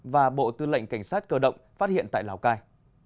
và bộ tư lệnh cảnh sát cơ động phát hiện tại lào cai